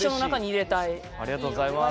ありがとうございます。